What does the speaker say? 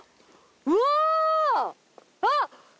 うわ！あっ。